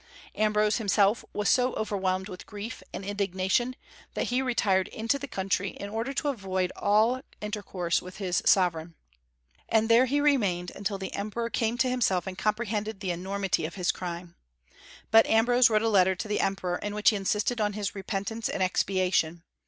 Ambrose himself was so overwhelmed with grief and indignation that he retired into the country in order to avoid all intercourse with his sovereign. And there he remained, until the emperor came to himself and comprehended the enormity of his crime. But Ambrose wrote a letter to the emperor, in which he insisted on his repentance and expiation.